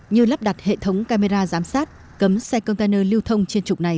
như lắp đặt hệ thống camera giám sát cấm xe container lưu thông trên trục này